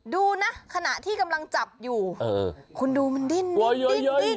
ดูนะขณะที่กำลังจับอยู่คุณดูมันดิ้นดิ้นดิ้น